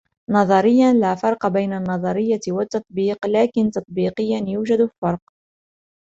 نظريا ، لا فرق بين النظرية والتطبيق ، لكن تطبيقيا ، يوجد فرق.